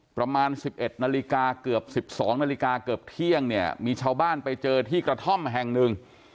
ประมาณ๑๑นาฬิกาเกือบ๑๒นาฬิกาเกือบเที่ยงเนี่ยมีชาวบ้านไปเจอที่กระท่อมแห่งหนึ่ง